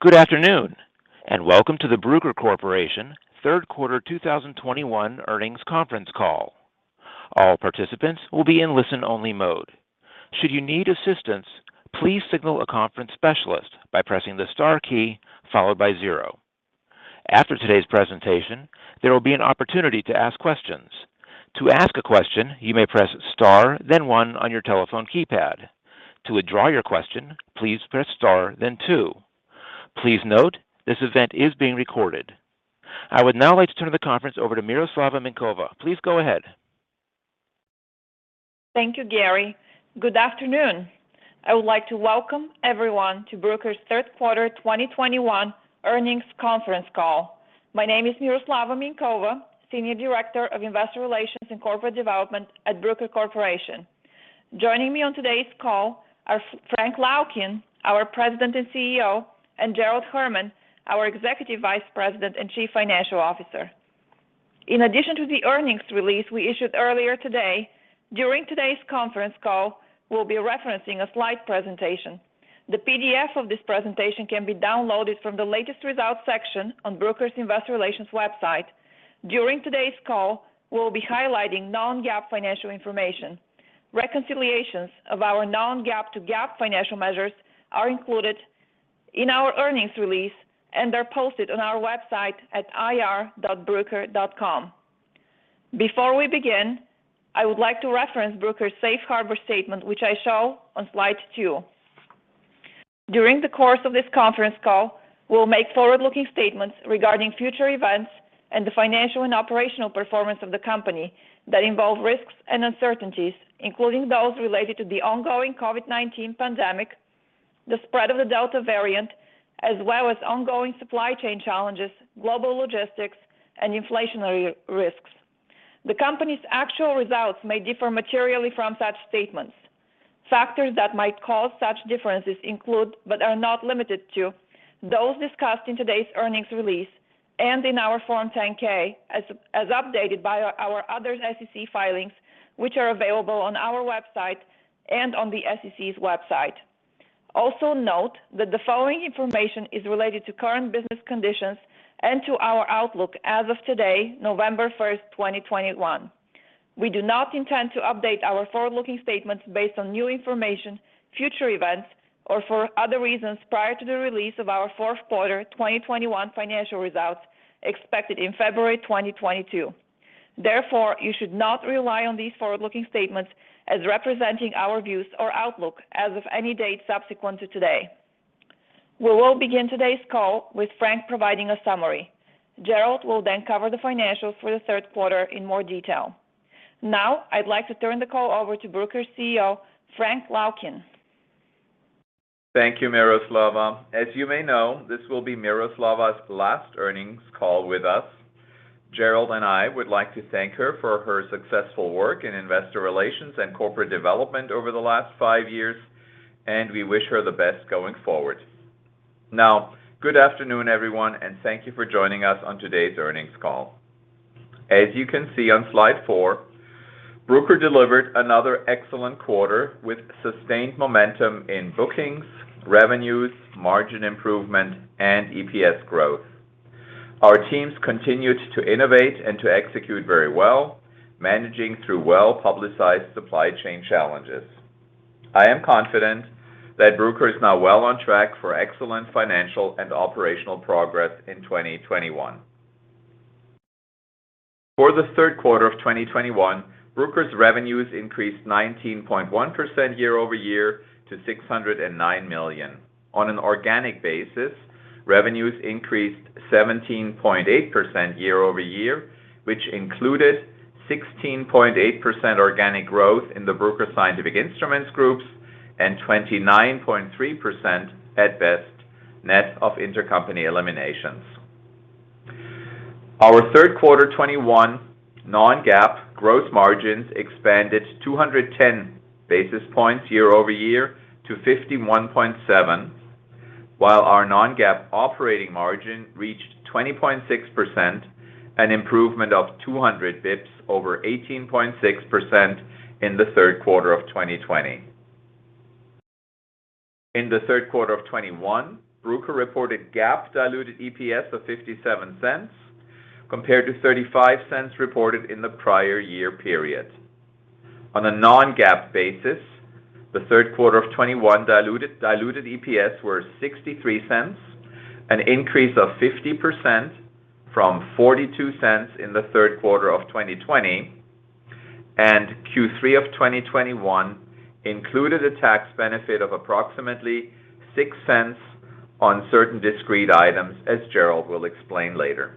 Good afternoon, and welcome to the Bruker Corporation Q3 2021 earnings conference call. All participants will be in listen-only mode. Should you need assistance, please signal a conference specialist by pressing the star key followed by zero. After today's presentation, there will be an opportunity to ask questions. To ask a question, you may press star then one on your telephone keypad. To withdraw your question, please press star then two. Please note, this event is being recorded. I would now like to turn the conference over to Miroslava Minkova. Please go ahead. Thank you, Gary. Good afternoon. I would like to welcome everyone to Bruker's Q3 2021 earnings conference call. My name is Miroslava Minkova, Senior Director of Investor Relations and Corporate Development at Bruker Corporation. Joining me on today's call are Frank Laukien, our President and CEO, and Gerald Herman, our Executive Vice President and Chief Financial Officer. In addition to the earnings release we issued earlier today, during today's conference call, we'll be referencing a slide presentation. The PDF of this presentation can be downloaded from the Latest Results section on Bruker's Investor Relations website. During today's call, we'll be highlighting non-GAAP financial information. Reconciliations of our non-GAAP to GAAP financial measures are included in our earnings release and are posted on our website at ir.bruker.com. Before we begin, I would like to reference Bruker's Safe Harbor statement, which I show on slide two. During the course of this conference call, we'll make forward-looking statements regarding future events and the financial and operational performance of the company that involve risks and uncertainties, including those related to the ongoing COVID-19 pandemic, the spread of the Delta variant, as well as ongoing supply chain challenges, global logistics, and inflationary risks. The company's actual results may differ materially from such statements. Factors that might cause such differences include, but are not limited to, those discussed in today's earnings release and in our Form 10-K, as updated by our other SEC filings, which are available on our website and on the SEC's website. Also note that the following information is related to current business conditions and to our outlook as of today, November 1st, 2021. We do not intend to update our forward-looking statements based on new information, future events, or for other reasons prior to the release of our Q4 2021 financial results expected in February 2022. Therefore, you should not rely on these forward-looking statements as representing our views or outlook as of any date subsequent to today. We will begin today's call with Frank providing a summary. Gerald will then cover the financials for the Q3 in more detail. Now, I'd like to turn the call over to Bruker's CEO, Frank Laukien. Thank you, Miroslava. As you may know, this will be Miroslava's last earnings call with us. Gerald and I would like to thank her for her successful work in investor relations and corporate development over the last five years, and we wish her the best going forward. Now, good afternoon, everyone, and thank you for joining us on today's earnings call. As you can see on slide four, Bruker delivered another excellent quarter with sustained momentum in bookings, revenues, margin improvement, and EPS growth. Our teams continued to innovate and to execute very well, managing through well-publicized supply chain challenges. I am confident that Bruker is now well on track for excellent financial and operational progress in 2021. For the Q3 of 2021, Bruker's revenues increased 19.1% year-over-year to $609 million. On an organic basis, revenues increased 17.8% year-over-year, which included 16.8% organic growth in the Bruker Scientific Instruments groups and 29.3% at BEST net of intercompany eliminations. Our Q3 2021 non-GAAP gross margins expanded 210 basis points year-over-year to 51.7, while our non-GAAP operating margin reached 20.6%, an improvement of 200 basis points over 18.6% in the Q3 of 2020. In the Q3 of 2021, Bruker reported GAAP diluted EPS of $0.57 compared to $0.35 reported in the prior year period. On a non-GAAP basis, the Q3 of 2021 diluted EPS were $0.63, an increase of 50% from $0.42 in the Q3 of 2020, and Q3 of 2021 included a tax benefit of approximately $0.06 on certain discrete items, as Gerald will explain later.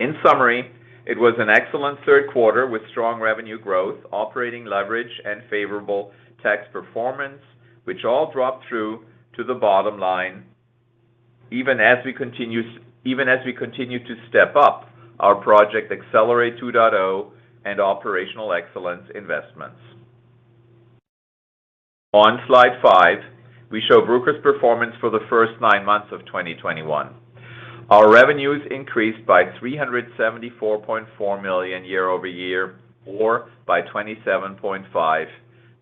In summary, it was an excellent Q3 with strong revenue growth, operating leverage, and favorable tax performance, which all dropped through to the bottom line, even as we continue to step up our Project Accelerate 2.0 and operational excellence investments. On slide five, we show Bruker's performance for the first nine months of 2021. Our revenues increased by $374.4 million year-over-year or by 27.5%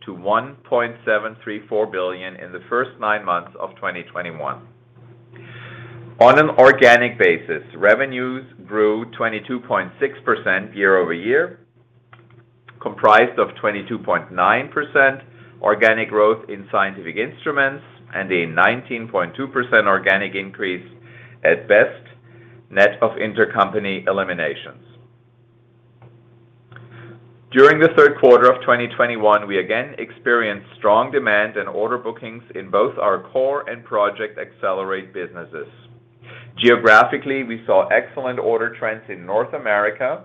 to $1.734 billion in the first nine months of 2021. On an organic basis, revenues grew 22.6% year-over-year, comprised of 22.9% organic growth in Scientific Instruments and a 19.2% organic increase at BEST, net of intercompany eliminations. During the Q3 of 2021, we again experienced strong demand and order bookings in both our core and Project Accelerate businesses. Geographically, we saw excellent order trends in North America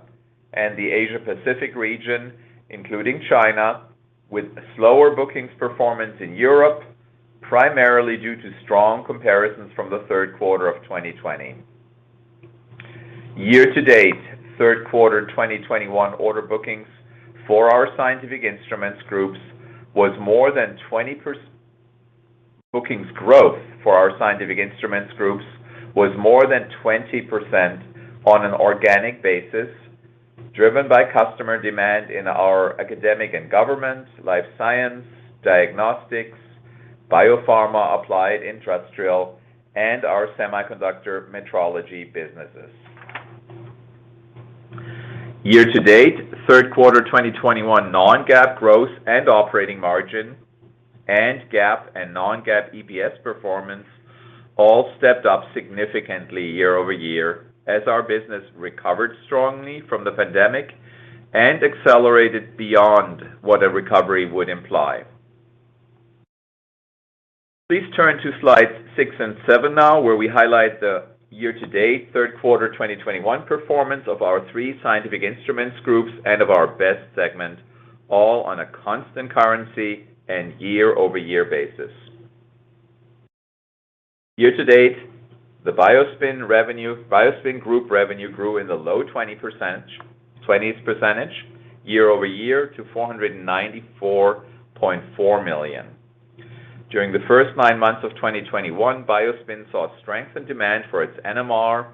and the Asia-Pacific region, including China, with slower bookings performance in Europe, primarily due to strong comparisons from the Q3 of 2020. Year-to-date, Q3 2021 bookings growth for our Scientific Instruments groups was more than 20% on an organic basis, driven by customer demand in our academic and government, life science, diagnostics, biopharma, applied industrial, and semiconductor metrology businesses. Year-to-date, Q3 2021 non-GAAP growth and operating margin and GAAP and non-GAAP EPS performance all stepped up significantly year-over-year as our business recovered strongly from the pandemic and accelerated beyond what a recovery would imply. Please turn to slides six and seven now, where we highlight the year-to-date Q3 2021 performance of our three scientific instruments groups and of our BEST segment, all on a constant currency and year-over-year basis. Year-to-date, the Biospin group revenue grew in the low 20s % year-over-year to $494.4 million. During the first nine months of 2021, Biospin saw strengthened demand for its NMR,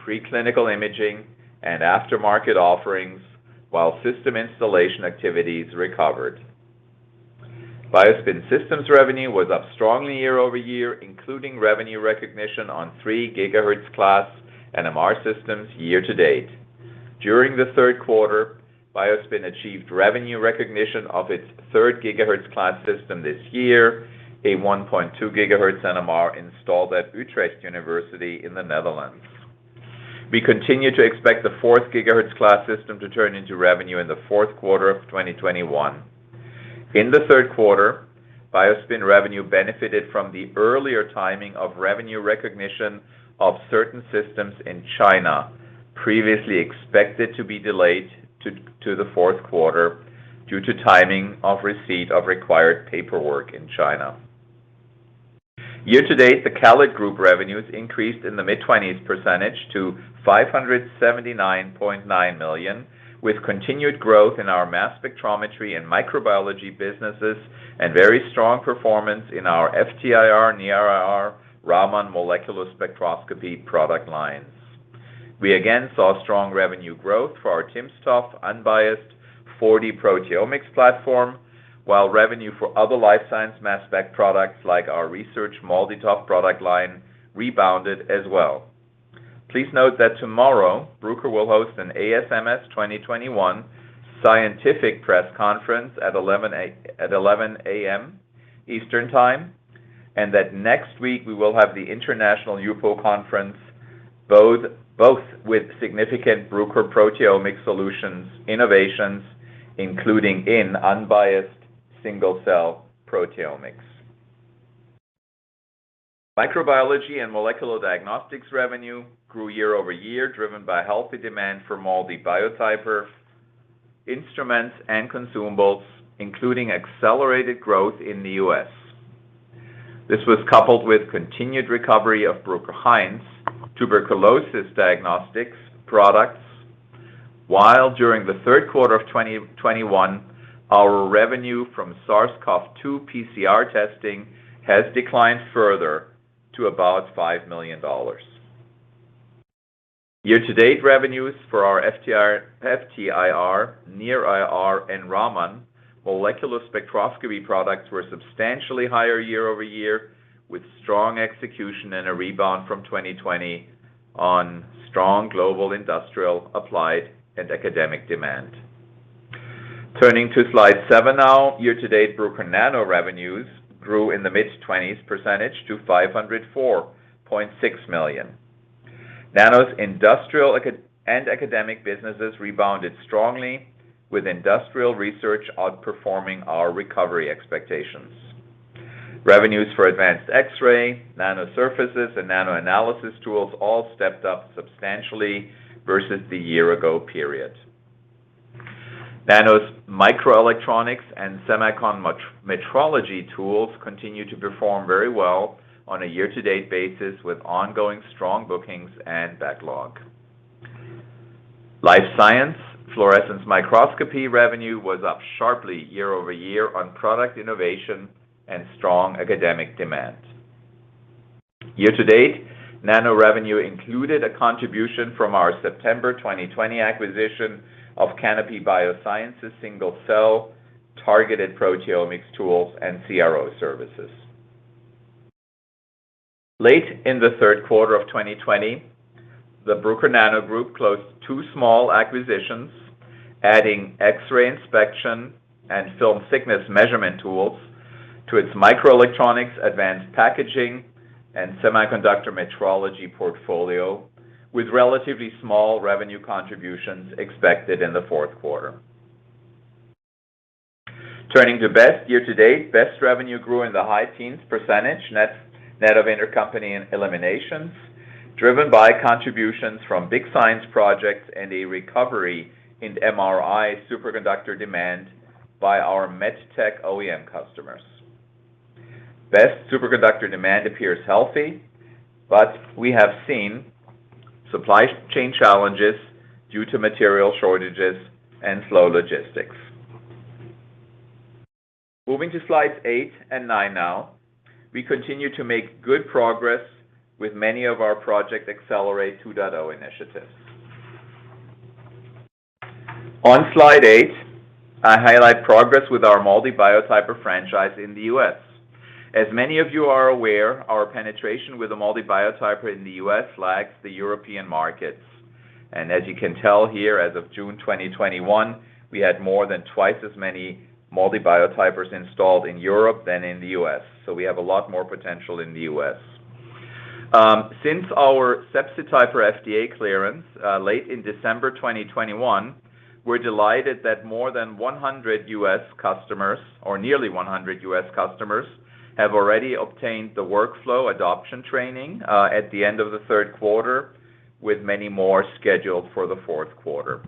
preclinical imaging and aftermarket offerings while system installation activities recovered. Biospin Systems revenue was up strongly year-over-year, including revenue recognition on 3 GHz class NMR systems year-to-date. During the Q3, Bruker BioSpin achieved revenue recognition of its third GHz class system this year, a 1.2 GHz NMR installed at Utrecht University in the Netherlands. We continue to expect the fourth GHz class system to turn into revenue in the Q4 of 2021. In the Q3, Bruker BioSpin revenue benefited from the earlier timing of revenue recognition of certain systems in China, previously expected to be delayed to the Q4 due to timing of receipt of required paperwork in China. Year-to-date, the CALID Group revenues increased in the mid-20s percentage to $579.9 million, with continued growth in our mass spectrometry and microbiology businesses and very strong performance in our FTIR, NIR, Raman molecular spectroscopy product lines. We again saw strong revenue growth for our timsTOF unbiased 4D-Proteomics platform, while revenue for other life science mass spec products like our research MALDI-TOF product line rebounded as well. Please note that tomorrow Bruker will host an ASMS 2021 scientific press conference at 11:00AM. Eastern Time, and that next week we will have the International HUPO Conference, both with significant Bruker proteomic solutions innovations, including in unbiased single-cell proteomics. Microbiology and molecular diagnostics revenue grew year-over-year, driven by healthy demand for MALDI Biotyper instruments and consumables, including accelerated growth in the U.S. This was coupled with continued recovery of Bruker-Hain tuberculosis diagnostics products, while during the Q3 of 2021, our revenue from SARS-CoV-2 PCR testing has declined further to about $5 million. Year-to-date revenues for our FTIR, NIR and Raman molecular spectroscopy products were substantially higher year-over-year, with strong execution and a rebound from 2020 on strong global industrial applied and academic demand. Turning to slide seven now. Year-to-date, Bruker NANO revenues grew in the mid-20s percentage to $504.6 million. NANO's industrial and academic businesses rebounded strongly with industrial research outperforming our recovery expectations. Revenues for advanced X-ray, nano surfaces and nano analysis tools all stepped up substantially versus the year-ago period. NANO's microelectronics and semiconductor metrology tools continue to perform very well on a year-to-date basis with ongoing strong bookings and backlog. Life science fluorescence microscopy revenue was up sharply year-over-year on product innovation and strong academic demand. Year-to-date, NANO revenue included a contribution from our September 2020 acquisition of Canopy Biosciences' single-cell targeted proteomics tools and CRO services. Late in the Q3 of 2020, the Bruker NANO group closed two small acquisitions, adding X-ray inspection and film thickness measurement tools to its microelectronics advanced packaging and semiconductor metrology portfolio, with relatively small revenue contributions expected in the Q4. Turning to BEST year to date, BEST revenue grew in the high teens percentage net of intercompany and eliminations, driven by contributions from big science projects and a recovery in MRI superconductor demand by our MedTech OEM customers. BEST superconductor demand appears healthy, but we have seen supply chain challenges due to material shortages and slow logistics. Moving to slides eight and nine now. We continue to make good progress with many of our Project Accelerate 2.0 initiatives. On slide eight, I highlight progress with our MALDI Biotyper franchise in the U.S. As many of you are aware, our penetration with the MALDI Biotyper in the U.S. lags the European markets. As you can tell here, as of June 2021, we had more than twice as many MALDI Biotypers installed in Europe than in the U.S. We have a lot more potential in the U.S. Since our Sepsityper FDA clearance, late in December 2021, we're delighted that more than 100 U.S. customers, or nearly 100 U.S. customers, have already obtained the workflow adoption training, at the end of the Q3, with many more scheduled for the Q4.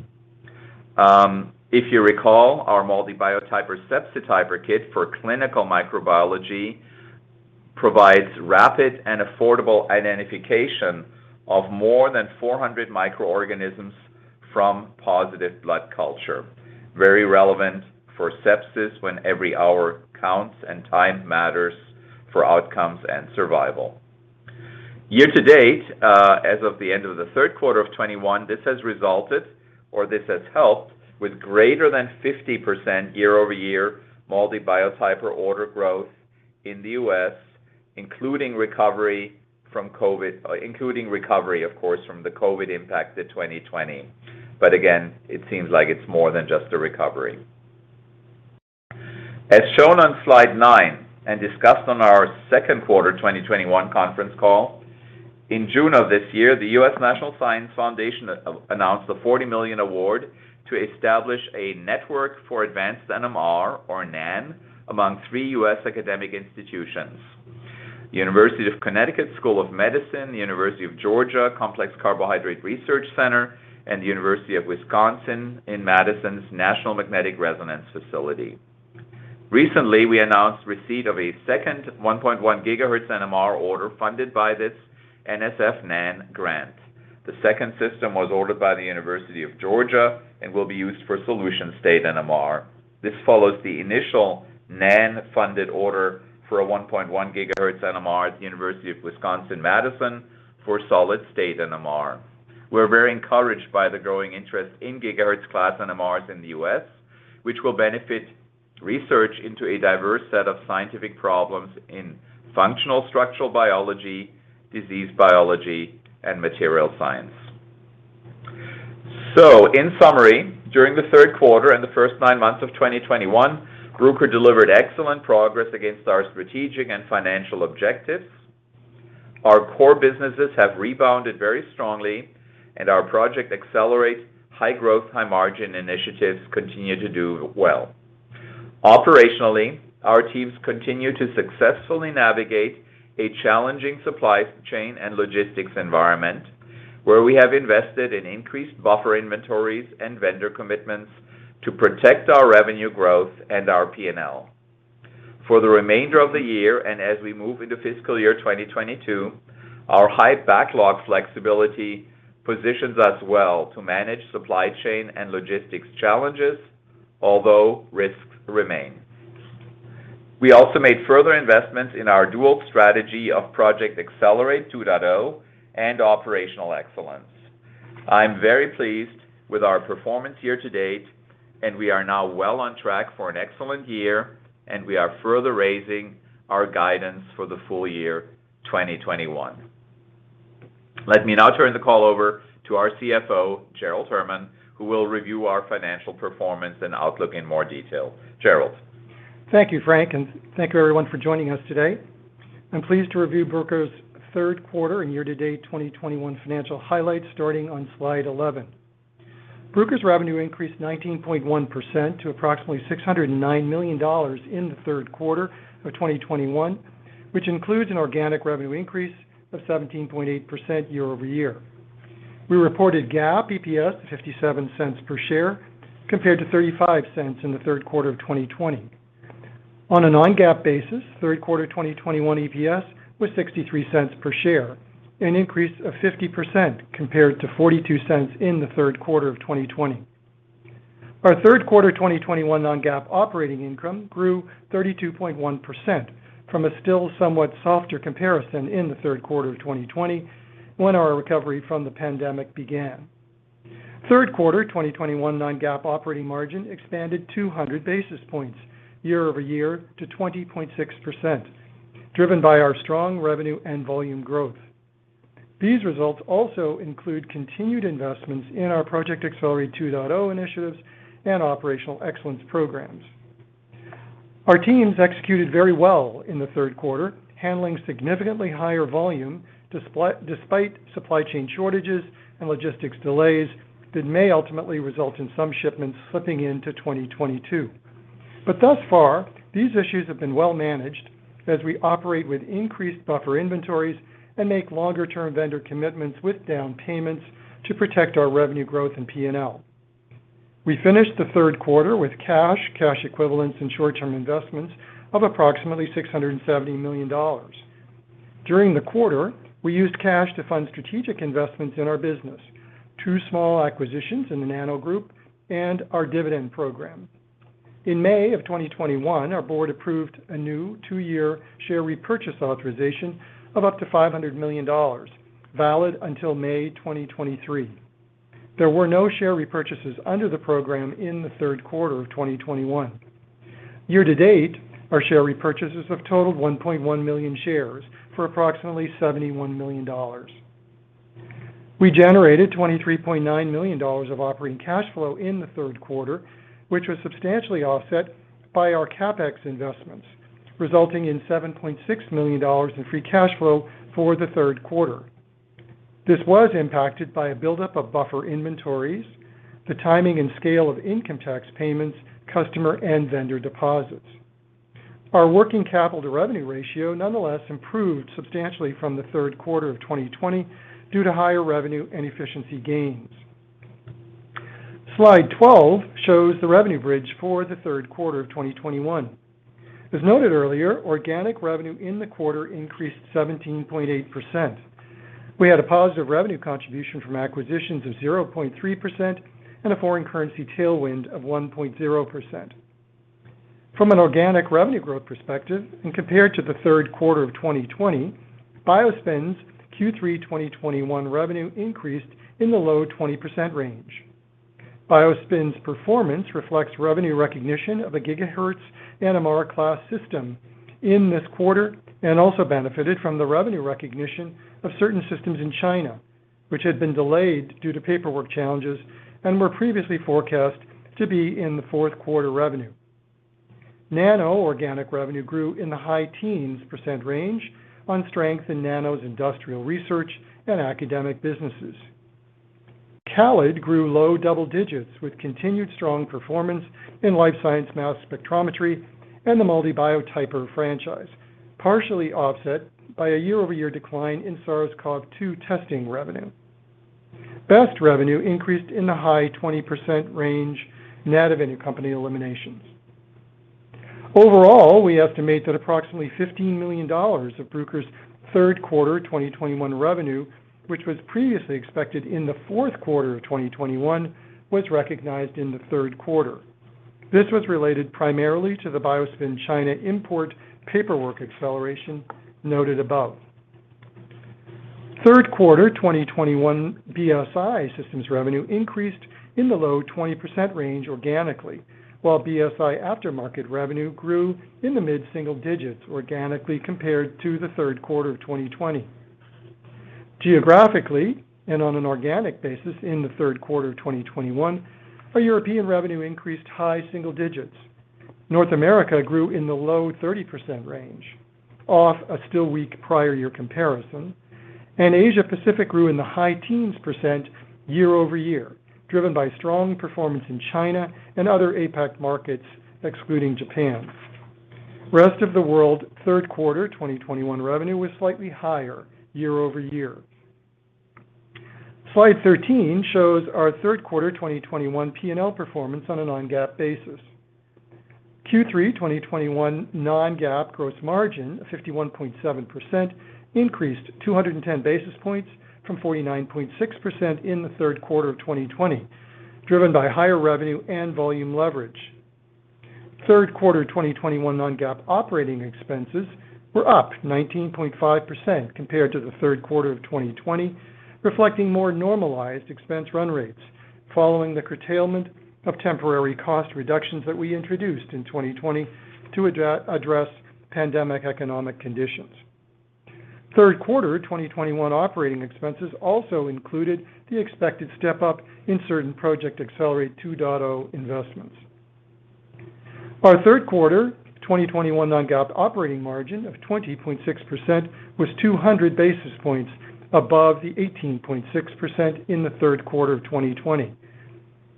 If you recall, our MALDI Biotyper Sepsityper kit for clinical microbiology provides rapid and affordable identification of more than 400 microorganisms from positive blood culture. Very relevant for sepsis when every hour counts and time matters for outcomes and survival. Year to date, as of the end of the Q3 of 2021, this has resulted, or this has helped, with greater than 50% year-over-year MALDI Biotyper order growth in the U.S., including recovery, of course, from the COVID impact to 2020. It seems like it's more than just a recovery. As shown on slide nine and discussed on our Q2 2021 conference call, in June of this year, the U.S. National Science Foundation announced the $40 million award to establish a Network for Advanced NMR, or NAN, among three U.S. academic institutions, University of Connecticut School of Medicine, the University of Georgia Complex Carbohydrate Research Center, and the University of Wisconsin–Madison's National Magnetic Resonance Facility. Recently, we announced receipt of a second 1.1 GHz NMR order funded by this NSF NAN grant. The second system was ordered by the University of Georgia and will be used for solution state NMR. This follows the initial NAN-funded order for a 1.1 GHz NMR at the University of Wisconsin–Madison for solid-state NMR. We're very encouraged by the growing interest in GHz class NMRs in the U.S., which will benefit research into a diverse set of scientific problems in functional structural biology, disease biology, and material science. In summary, during the Q3 and the first 9 months of 2021, Bruker delivered excellent progress against our strategic and financial objectives. Our core businesses have rebounded very strongly and our Project Accelerate high growth, high margin initiatives continue to do well. Operationally, our teams continue to successfully navigate a challenging supply chain and logistics environment where we have invested in increased buffer inventories and vendor commitments to protect our revenue growth and our P&L. For the remainder of the year and as we move into fiscal year 2022, our high backlog flexibility positions us well to manage supply chain and logistics challenges, although risks remain. We also made further investments in our dual strategy of Project Accelerate 2.0 and operational excellence. I'm very pleased with our performance year to date, and we are now well on track for an excellent year, and we are further raising our guidance for the full year 2021. Let me now turn the call over to our CFO, Gerald Herman, who will review our financial performance and outlook in more detail. Gerald. Thank you, Frank, and thank you everyone for joining us today. I'm pleased to review Bruker's Q3 and year-to-date 2021 financial highlights starting on slide 11. Bruker's revenue increased 19.1% to approximately $609 million in the Q3 of 2021, which includes an organic revenue increase of 17.8% year-over-year. We reported GAAP EPS $0.57 per share compared to $0.35 in the Q3 of 2020. On a non-GAAP basis, Q3 2021 EPS was $0.63 per share, an increase of 50% compared to $0.42 in the Q3 of 2020. Our Q3 2021 non-GAAP operating income grew 32.1% from a still somewhat softer comparison in the Q3 of 2020 when our recovery from the pandemic began. Q3 2021 non-GAAP operating margin expanded 200 basis points year-over-year to 20.6%, driven by our strong revenue and volume growth. These results also include continued investments in our Project Accelerate 2.0 initiatives and operational excellence programs. Our teams executed very well in the Q3, handling significantly higher volume despite supply chain shortages and logistics delays that may ultimately result in some shipments slipping into 2022. Thus far, these issues have been well managed as we operate with increased buffer inventories and make longer-term vendor commitments with down payments to protect our revenue growth and P&L. We finished the Q3 with cash equivalents, and short-term investments of approximately $670 million. During the quarter, we used cash to fund strategic investments in our business, two small acquisitions in the Nano group, and our dividend program. In May of 2021, our board approved a new two-year share repurchase authorization of up to $500 million, valid until May 2023. There were no share repurchases under the program in the Q3 of 2021. Year to date, our share repurchases have totaled 1.1 million shares for approximately $71 million. We generated $23.9 million of operating cash flow in the Q3, which was substantially offset by our CapEx investments, resulting in $7.6 million in free cash flow for the Q3. This was impacted by a buildup of buffer inventories, the timing and scale of income tax payments, customer and vendor deposits. Our working capital to revenue ratio nonetheless improved substantially from the Q3 of 2020 due to higher revenue and efficiency gains. Slide 12 shows the revenue bridge for the Q3 of 2021. As noted earlier, organic revenue in the quarter increased 17.8%. We had a positive revenue contribution from acquisitions of 0.3% and a foreign currency tailwind of 1.0%. From an organic revenue growth perspective and compared to the Q3 of 2020, BioSpin's Q3 2021 revenue increased in the low 20% range. BioSpin's performance reflects revenue recognition of a GHz NMR class system in this quarter and also benefited from the revenue recognition of certain systems in China, which had been delayed due to paperwork challenges and were previously forecast to be in the Q4 revenue. NANO organic revenue grew in the high teens percentage range on strength in NANO's industrial research and academic businesses. CALID grew low double digits with continued strong performance in life science mass spectrometry and the MALDI Biotyper franchise, partially offset by a year-over-year decline in SARS-CoV-2 testing revenue. BEST revenue increased in the high 20% range net of any company eliminations. Overall, we estimate that approximately $15 million of Bruker's Q3 2021 revenue, which was previously expected in the Q4 of 2021, was recognized in the Q3. This was related primarily to the Bruker BioSpin China import paperwork acceleration noted above. Q3 2021 BSI systems revenue increased in the low 20% range organically, while BSI aftermarket revenue grew in the mid-single digits organically compared to the Q3 of 2020. Geographically and on an organic basis in the Q3 of 2021, our European revenue increased high single digits. North America grew in the low 30% range, off a still weak prior year comparison. Asia-Pacific grew in the high teens percentage year-over-year, driven by strong performance in China and other APAC markets, excluding Japan. Rest of the world Q3 2021 revenue was slightly higher year-over-year. Slide 13 shows our Q3 2021 P&L performance on a non-GAAP basis. Q3 2021 non-GAAP gross margin of 51.7% increased 210 basis points from 49.6% in the Q3 of 2020, driven by higher revenue and volume leverage. Q3 2021 non-GAAP operating expenses were up 19.5% compared to the Q3 of 2020, reflecting more normalized expense run rates following the curtailment of temporary cost reductions that we introduced in 2020 to address pandemic economic conditions. Q3 2021 operating expenses also included the expected step up in certain Project Accelerate 2.0 investments. Our Q3 2021 non-GAAP operating margin of 20.6% was 200 basis points above the 18.6% in the Q3 of 2020.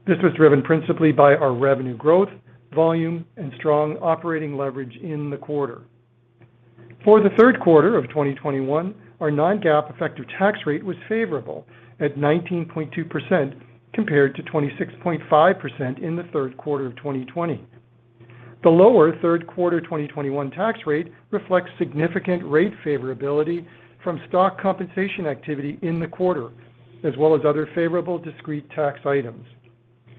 This was driven principally by our revenue growth, volume, and strong operating leverage in the quarter. For the Q3 of 2021, our non-GAAP effective tax rate was favorable at 19.2% compared to 26.5% in the Q3 of 2020. The lower Q3 2021 tax rate reflects significant rate favorability from stock compensation activity in the quarter, as well as other favorable discrete tax items.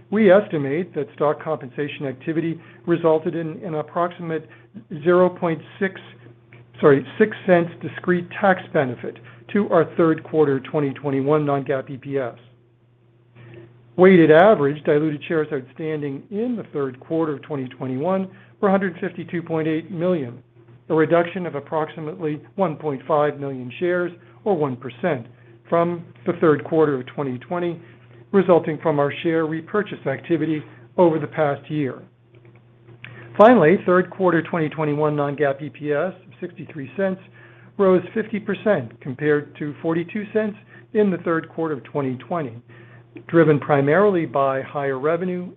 We estimate that stock compensation activity resulted in an approximate $0.06 discrete tax benefit to our Q3 2021 non-GAAP EPS. Weighted average diluted shares outstanding in the Q3 of 2021 were 152.8 million, a reduction of approximately 1.5 million shares or 1% from the Q3 of 2020, resulting from our share repurchase activity over the past year. Finally, Q3 2021 non-GAAP EPS of $0.63 rose 50% compared to $0.42 in the Q3 of 2020, driven primarily by higher revenue,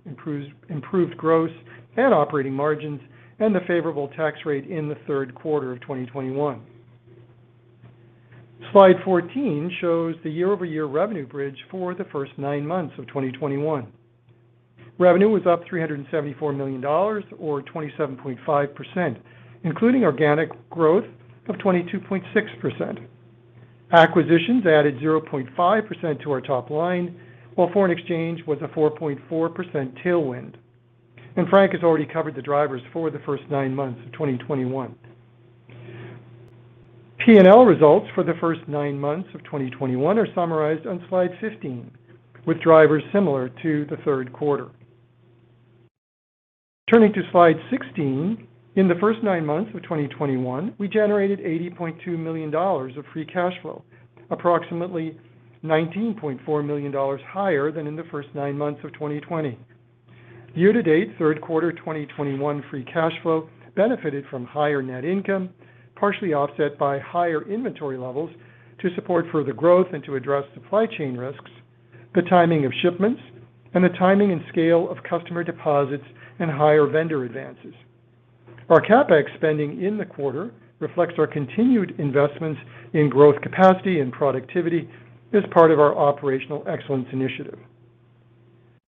improved gross and operating margins, and the favorable tax rate in the Q3 of 2021. Slide 14 shows the year-over-year revenue bridge for the first nine months of 2021. Revenue was up $374 million or 27.5%, including organic growth of 22.6%. Acquisitions added 0.5% to our top line, while foreign exchange was a 4.4% tailwind. Frank has already covered the drivers for the first nine months of 2021. P&L results for the first nine months of 2021 are summarized on Slide 15, with drivers similar to the Q3. Turning to Slide 16, in the first nine months of 2021, we generated $80.2 million of free cash flow, approximately $19.4 million higher than in the first nine months of 2020. Year-to-date, Q3 2021 free cash flow benefited from higher net income, partially offset by higher inventory levels to support further growth and to address supply chain risks, the timing of shipments, and the timing and scale of customer deposits and higher vendor advances. Our CapEx spending in the quarter reflects our continued investments in growth capacity and productivity as part of our operational excellence initiative.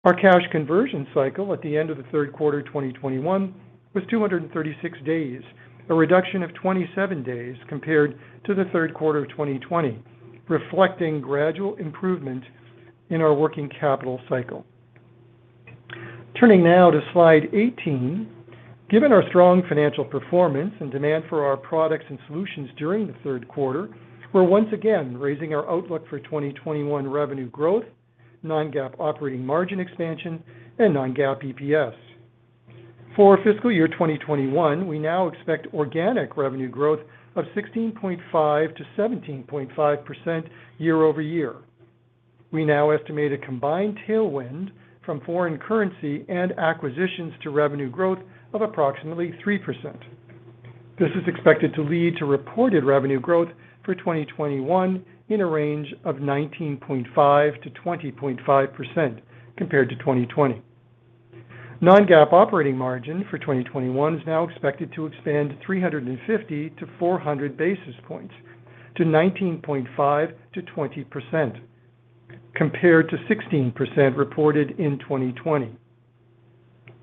Our cash conversion cycle at the end of the Q3 2021 was 236 days, a reduction of 27 days compared to the Q3 of 2020, reflecting gradual improvement in our working capital cycle. Turning now to slide 18, given our strong financial performance and demand for our products and solutions during the Q3, we're once again raising our outlook for 2021 revenue growth, non-GAAP operating margin expansion, and non-GAAP EPS. For fiscal year 2021, we now expect organic revenue growth of 16.5%-17.5% year-over-year. We now estimate a combined tailwind from foreign currency and acquisitions to revenue growth of approximately 3%. This is expected to lead to reported revenue growth for 2021 in a range of 19.5%-20.5% compared to 2020. Non-GAAP operating margin for 2021 is now expected to expand 350-400 basis points to 19.5%-20% compared to 16% reported in 2020.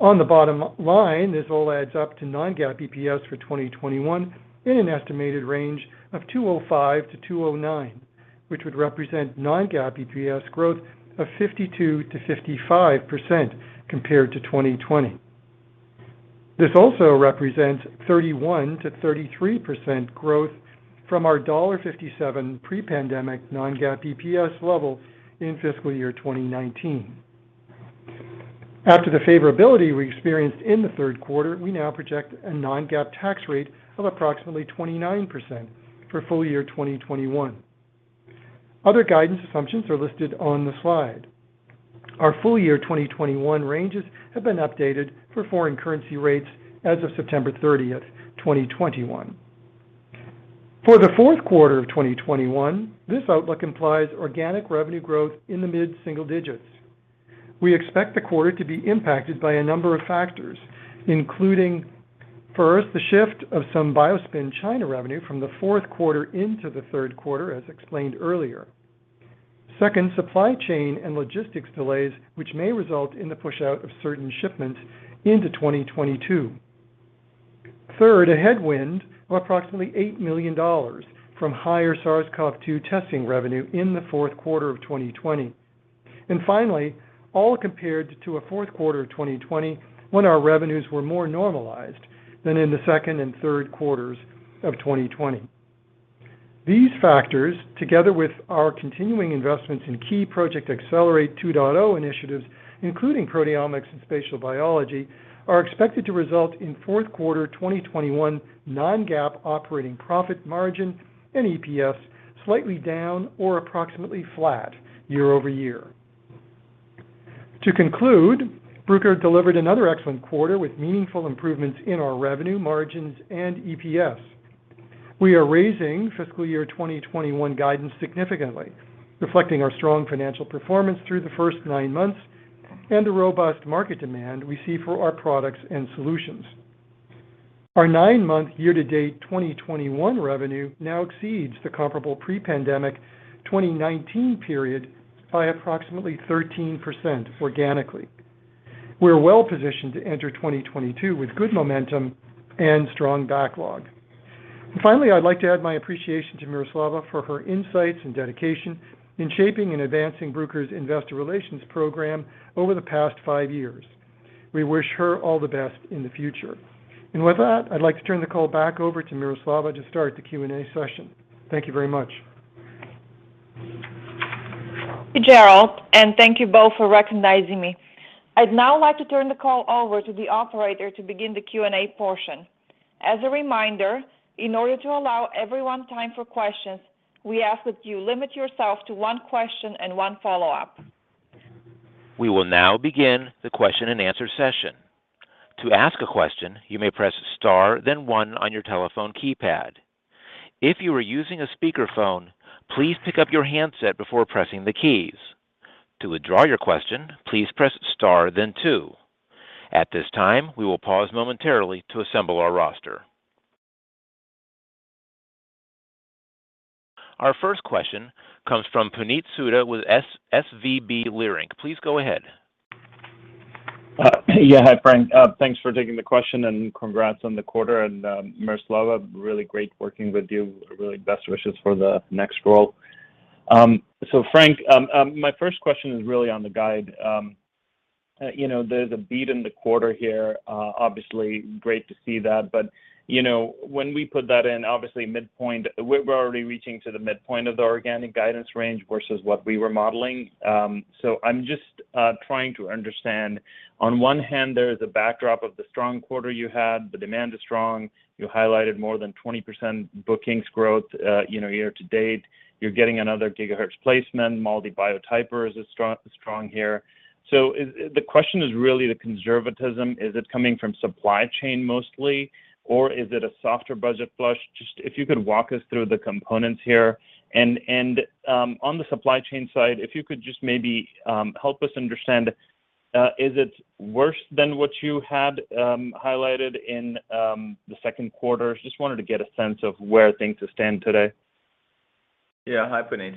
On the bottom line, this all adds up to non-GAAP EPS for 2021 in an estimated range of $2.05-$2.09, which would represent non-GAAP EPS growth of 52%-55% compared to 2020. This also represents 31%-33% growth from our $57 pre-pandemic non-GAAP EPS level in fiscal year 2019. After the favorability we experienced in the Q3, we now project a non-GAAP tax rate of approximately 29% for full year 2021. Other guidance assumptions are listed on the slide. Our full year 2021 ranges have been updated for foreign currency rates as of September 30, 2021. For the Q4 of 2021, this outlook implies organic revenue growth in the mid-single digits. We expect the quarter to be impacted by a number of factors, including, first, the shift of some BioSpin China revenue from the Q4 into the Q3, as explained earlier. Second, supply chain and logistics delays, which may result in the push out of certain shipments into 2022. Third, a headwind of approximately $8 million from higher SARS-CoV-2 testing revenue in the Q4 of 2020. Finally, all compared to a Q4 of 2020 when our revenues were more normalized than in the second and Q3s of 2020. These factors, together with our continuing investments in key Project Accelerate 2.0 initiatives, including proteomics and spatial biology, are expected to result in Q4 2021 non-GAAP operating profit margin and EPS slightly down or approximately flat year-over-year. To conclude, Bruker delivered another excellent quarter with meaningful improvements in our revenue margins and EPS. We are raising fiscal year 2021 guidance significantly, reflecting our strong financial performance through the first nine months and the robust market demand we see for our products and solutions. Our nine month year-to-date 2021 revenue now exceeds the comparable pre-pandemic 2019 period by approximately 13% organically. We are well positioned to enter 2022 with good momentum and strong backlog. Finally, I'd like to add my appreciation to Miroslava for her insights and dedication in shaping and advancing Bruker's Investor Relations program over the past five years. We wish her all the best in the future. With that, I'd like to turn the call back over to Miroslava to start the Q&A session. Thank you very much. Thank you, Gerald, and thank you both for recognizing me. I'd now like to turn the call over to the operator to begin the Q&A portion. As a reminder, in order to allow everyone time for questions, we ask that you limit yourself to one question and one follow-up. We will now begin the question-and-answer session. To ask a question, you may press Star, then One on your telephone keypad. If you are using a speakerphone, please pick up your handset before pressing the keys. To withdraw your question, please press star then two. At this time, we will pause momentarily to assemble our roster. Our first question comes from Puneet Souda with SVB Leerink. Please go ahead. Yeah. Hi, Frank. Thanks for taking the question and congrats on the quarter. Miroslava, really great working with you. Really best wishes for the next role. Frank, my first question is really on the guide. You know, there's a beat in the quarter here. Obviously great to see that. You know, when we put that in, obviously midpoint. We're already reaching to the midpoint of the organic guidance range versus what we were modeling. I'm just trying to understand. On one hand, there is a backdrop of the strong quarter you had. The demand is strong. You highlighted more than 20% bookings growth, you know, year-to-date. You're getting another GHz placement. MALDI Biotyper is strong here. The question is really the conservatism. Is it coming from supply chain mostly, or is it a softer budget flush? Just if you could walk us through the components here. On the supply chain side, if you could just maybe help us understand, is it worse than what you had highlighted in the Q2? Just wanted to get a sense of where things stand today. Yeah. Hi, Puneet.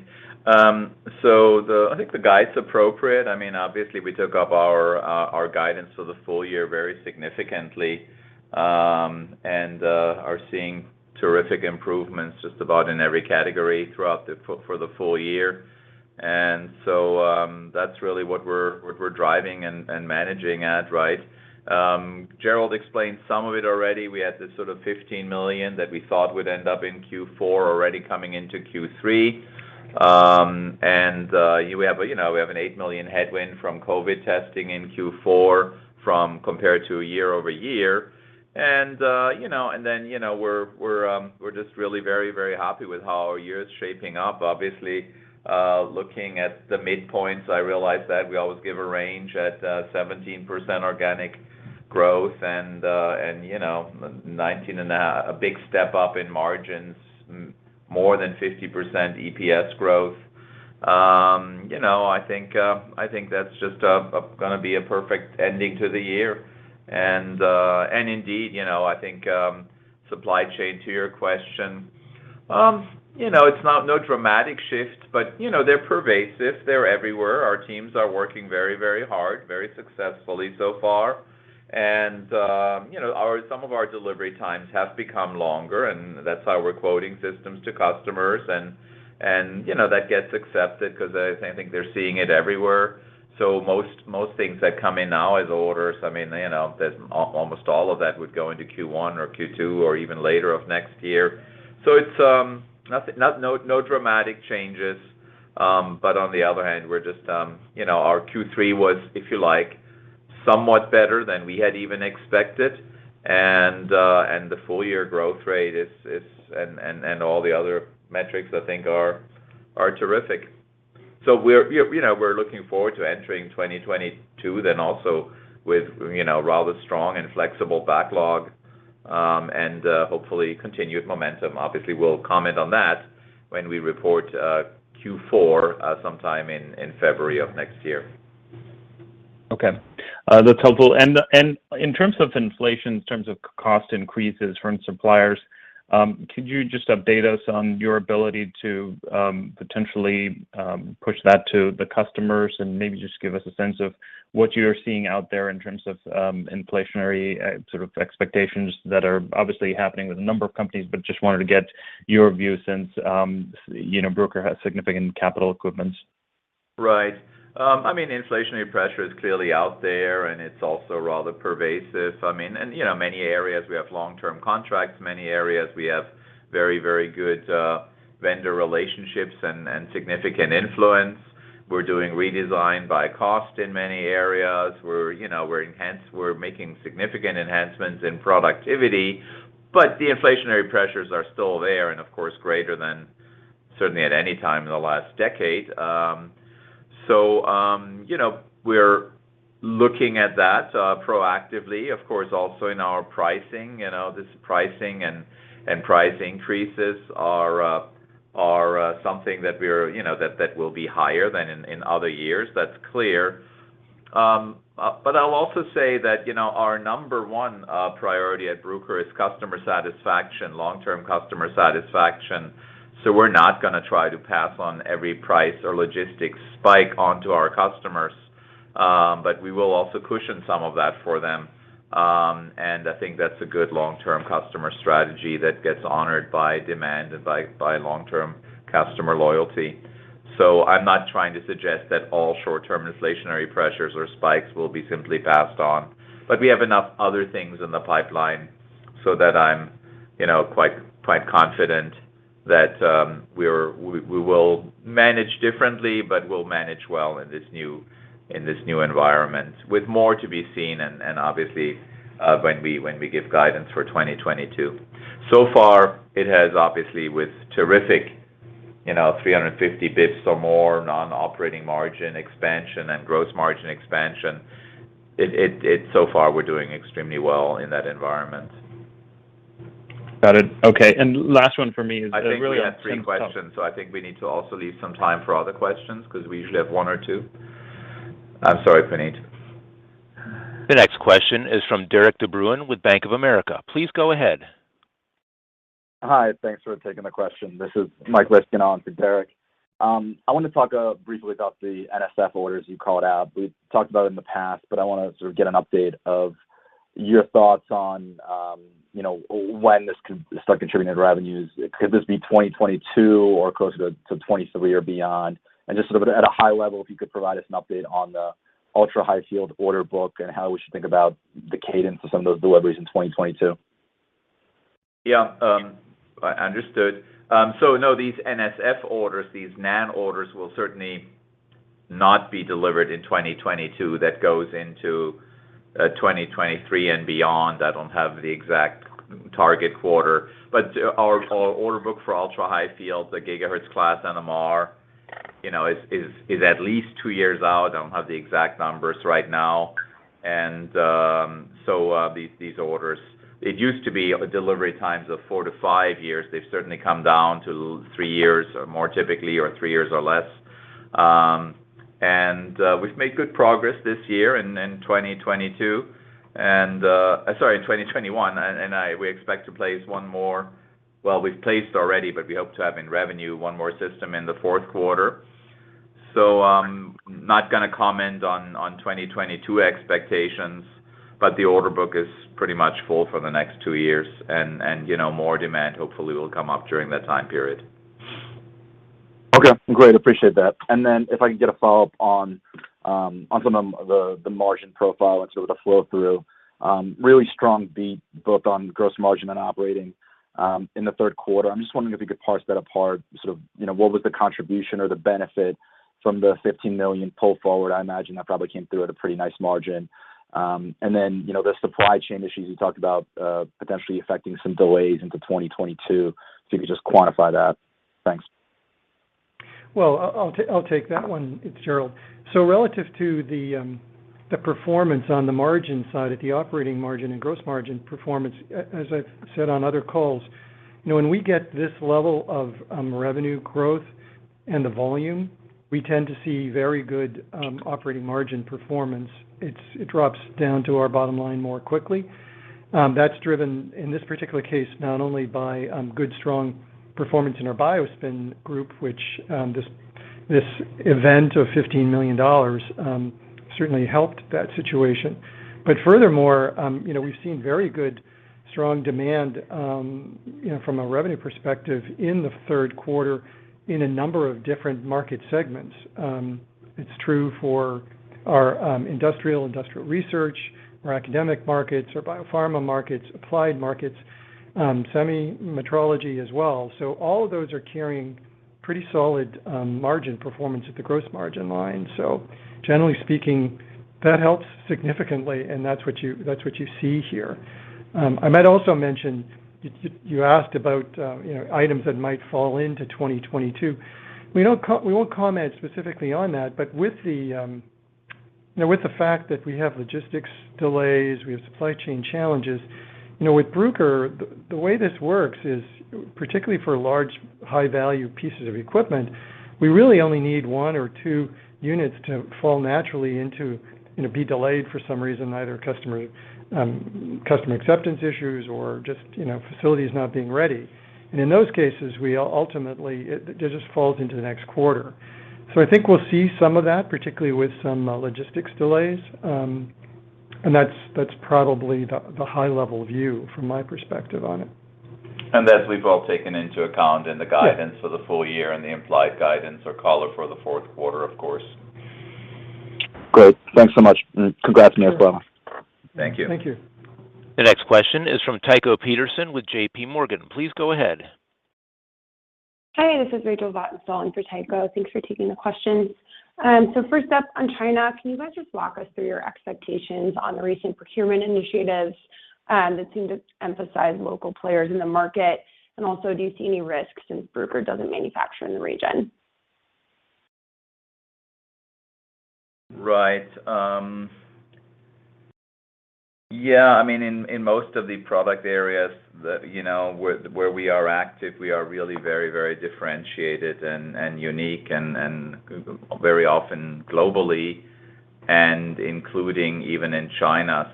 I think the guide's appropriate. I mean, obviously we took up our guidance for the full year very significantly, and are seeing terrific improvements just about in every category throughout the full year. That's really what we're driving and managing at, right? Gerald explained some of it already. We had this sort of $15 million that we thought would end up in Q4 already coming into Q3. We have an $8 million headwind from COVID testing in Q4 compared to year-over-year. We're just really very happy with how our year is shaping up. Obviously, looking at the midpoints, I realize that we always give a range at 17% organic growth and, you know, 19% and a big step up in margins, more than 50% EPS growth. I think that's just going to be a perfect ending to the year. Indeed, you know, I think supply chain, to your question, you know, it's not a dramatic shift, but you know, they're pervasive. They're everywhere. Our teams are working very, very hard, very successfully so far. You know, some of our delivery times have become longer, and that's how we're quoting systems to customers and, you know, that gets accepted because I think they're seeing it everywhere. Most things that come in now as orders, I mean, you know, there's almost all of that would go into Q1 or Q2 or even later of next year. It's nothing, no dramatic changes. On the other hand, we're just, you know, our Q3 was, if you like, somewhat better than we had even expected. The full year growth rate is and all the other metrics I think are terrific. We're, you know, looking forward to entering 2022 then also with, you know, rather strong and flexible backlog and hopefully continued momentum. Obviously, we'll comment on that when we report Q4 sometime in February of next year. Okay. That's helpful. In terms of inflation, in terms of cost increases from suppliers, could you just update us on your ability to potentially push that to the customers? Maybe just give us a sense of what you're seeing out there in terms of inflationary sort of expectations that are obviously happening with a number of companies, but just wanted to get your view since you know, Bruker has significant capital equipment. Right. I mean, inflationary pressure is clearly out there, and it's also rather pervasive. I mean, you know, many areas we have long-term contracts. Many areas we have very, very good vendor relationships and significant influence. We're doing redesign by cost in many areas. You know, we're making significant enhancements in productivity. The inflationary pressures are still there and, of course, greater than certainly at any time in the last decade. You know, we're looking at that proactively, of course, also in our pricing. You know, this pricing and price increases are something that we're, you know, that will be higher than in other years. That's clear. I'll also say that, you know, our number one priority at Bruker is customer satisfaction, long-term customer satisfaction. We're not going to try to pass on every price or logistics spike onto our customers. We will also cushion some of that for them. I think that's a good long-term customer strategy that gets honored by demand and by long-term customer loyalty. I'm not trying to suggest that all short-term inflationary pressures or spikes will be simply passed on. We have enough other things in the pipeline so that I'm, you know, quite confident that we're we will manage differently, but we'll manage well in this new environment, with more to be seen and obviously when we give guidance for 2022. So far it has obviously, with terrific, you know, 350 basis points or more non-operating margin expansion and gross margin expansion. So far we're doing extremely well in that environment. Got it. Okay. Last one for me is really- I think we had three questions, so I think we need to also leave some time for other questions because we usually have one or two. I'm sorry, Puneet. The next question is from Derik De Bruin with Bank of America. Please go ahead. Hi. Thanks for taking the question. This is Michael Ryskin on for Derik. I want to talk briefly about the NSF orders you called out. We've talked about it in the past, but I want to sort of get an update of your thoughts on, you know, when this could start contributing to revenues. Could this be 2022 or closer to 2023 or beyond? Just sort of at a high level, if you could provide us an update on the ultra high field order book and how we should think about the cadence of some of those deliveries in 2022. Yeah. Understood. No, these NSF orders, these NAN orders, will certainly not be delivered in 2022. That goes into 2023 and beyond. I don't have the exact target quarter. Our order book for ultra high field, the GHz class NMR, you know, is at least two years out. I don't have the exact numbers right now. These orders, it used to be delivery times of four to five years. They've certainly come down to three years or more typically, or three years or less. We've made good progress this year in 2022. Sorry, in 2021. Well, we've placed already, but we hope to have in revenue one more system in the Q4. Not going to comment on 2022 expectations, but the order book is pretty much full for the next two years and, you know, more demand hopefully will come up during that time period. Okay, great. Appreciate that. If I can get a follow-up on some of the margin profile and sort of the flow through. Really strong beat both on gross margin and operating in the Q3. I'm just wondering if you could parse that apart, sort of, you know, what was the contribution or the benefit from the $15 million pull forward? I imagine that probably came through at a pretty nice margin. You know, the supply chain issues you talked about, potentially affecting some delays into 2022. If you could just quantify that. Thanks. Well, I'll take that one. It's Gerald. Relative to the performance on the margin side at the operating margin and gross margin performance, as I've said on other calls, you know, when we get this level of revenue growth and the volume, we tend to see very good operating margin performance. It drops down to our bottom line more quickly. That's driven, in this particular case, not only by good, strong performance in our BioSpin group, which this event of $15 million certainly helped that situation. Furthermore, you know, we've seen very good, strong demand, you know, from a revenue perspective in the Q3 in a number of different market segments. It's true for our industrial research, our academic markets, our biopharma markets, applied markets, semi-metrology as well. All of those are carrying pretty solid margin performance at the gross margin line. Generally speaking, that helps significantly, and that's what you see here. I might also mention, you asked about, you know, items that might fall into 2022. We won't comment specifically on that, but with the, you know, with the fact that we have logistics delays, we have supply chain challenges. You know, with Bruker, the way this works is, particularly for large, high-value pieces of equipment, we really only need one or two units to fall naturally into, you know, be delayed for some reason, either customer acceptance issues or just, you know, facilities not being ready. In those cases, it just falls into the next quarter. I think we'll see some of that, particularly with some logistics delays. That's probably the high level view from my perspective on it. That we've all taken into account in the guidance. Yeah. For the full year and the implied guidance or color for the Q4, of course. Great. Thanks so much, and congrats on the upload. Thank you. Thank you. The next question is from Tycho Peterson with J.P. Morgan. Please go ahead. Hi, this is Rachel Vatnsdal in for Tycho. Thanks for taking the question. First up on China, can you guys just walk us through your expectations on the recent procurement initiatives that seem to emphasize local players in the market? Also, do you see any risks since Bruker doesn't manufacture in the region? Right. Yeah, I mean, in most of the product areas that, you know, where we are active, we are really very differentiated and unique and very often globally, and including even in China.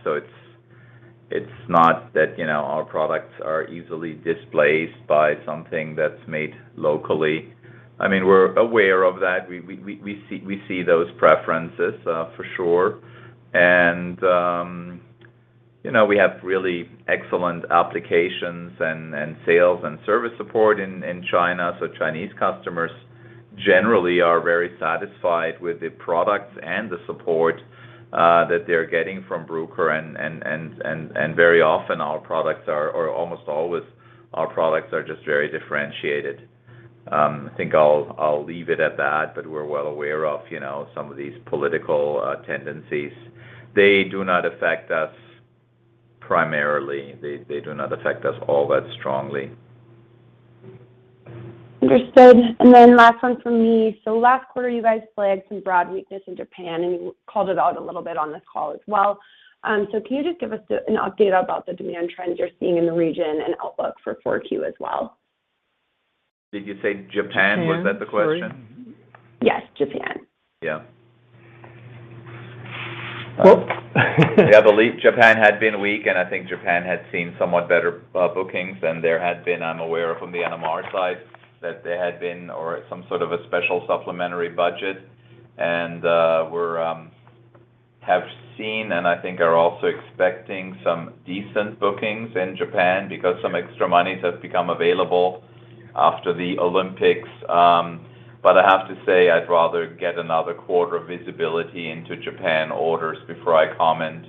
It's not that, you know, our products are easily displaced by something that's made locally. I mean, we're aware of that. We see those preferences for sure. You know, we have really excellent applications and sales and service support in China. Chinese customers generally are very satisfied with the products and the support that they're getting from Bruker. Very often our products are or almost always, our products are just very differentiated. I think I'll leave it at that, but we're well aware of, you know, some of these political tendencies. They do not affect us primarily. They do not affect us all that strongly. Understood. Last one from me. Last quarter, you guys flagged some broad weakness in Japan, and you called it out a little bit on this call as well. Can you just give us an update about the demand trends you're seeing in the region and outlook for Q4 as well? Did you say Japan? Japan. Was that the question? Yes, Japan. Yeah. Cool. Yeah, I believe Japan had been weak, and I think Japan had seen somewhat better bookings than there had been. I'm aware from the NMR side that there had been some sort of a special supplementary budget. We have seen and I think are also expecting some decent bookings in Japan because some extra money has become available after the Olympics. I have to say, I'd rather get another quarter of visibility into Japan orders before I comment.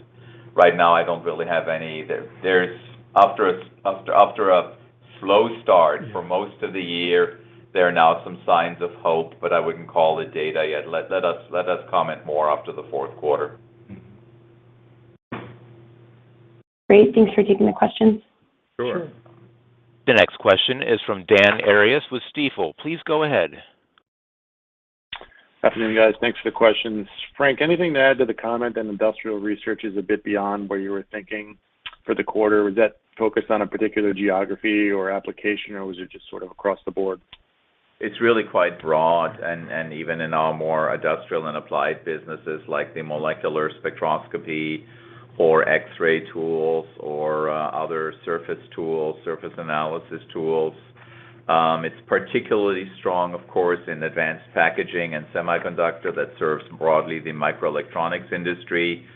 Right now, I don't really have any. There's after a slow start for most of the year, there are now some signs of hope, but I wouldn't call it yet. Let us comment more after the Q4. Great. Thanks for taking the questions. Sure. The next question is from Dan Arias with Stifel. Please go ahead. Afternoon, guys. Thanks for the questions. Frank, anything to add to the comment that industrial research is a bit beyond what you were thinking for the quarter? Was that focused on a particular geography or application, or was it just sort of across the board? It's really quite broad. Even in our more industrial and applied businesses like the molecular spectroscopy or X-ray tools or other surface tools, surface analysis tools. It's particularly strong, of course, in advanced packaging and semiconductor that serves broadly the microelectronics industry.